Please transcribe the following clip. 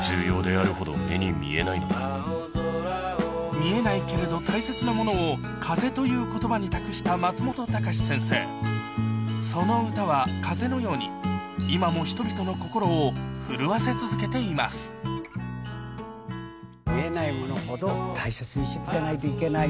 見えないけれど大切なものを「風」という言葉に託した松本隆先生その歌は風のように今も見えないものほど大切にしていかないといけない。